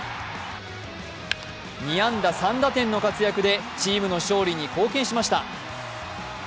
２安打３打点の活躍でチームの勝利に貢献しました。